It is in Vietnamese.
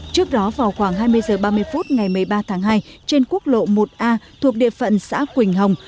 trước đó vào khoảng hai mươi h ba mươi phút ngày một mươi ba tháng hai trên quốc lộ một a thuộc địa phận xã quỳnh hồng